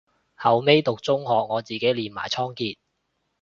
後尾讀中學我自己練埋倉頡